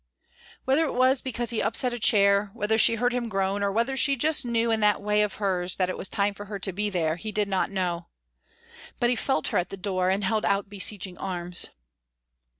Whether it was because he upset a chair, whether she heard him groan, or whether she just knew in that way of hers that it was time for her to be there, he did not know. But he felt her at the door, and held out beseeching arms.